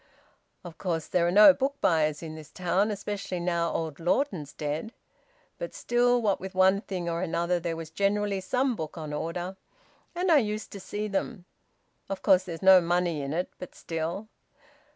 Of course there are no book buyers in this town, especially now old Lawton's dead. But still, what with one thing or another, there was generally some book on order, and I used to see them. Of course there's no money in it. But still...